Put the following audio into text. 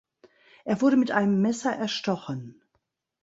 Er wurde mit einem Messer erstochen.